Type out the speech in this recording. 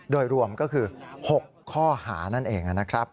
โดยรวมก็คือ๖ข้อหานั่นเองนะครับ